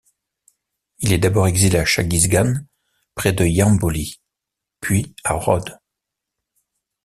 Il est d'abord exilé à Chagisgan près de Yamboli, puis à Rhodes.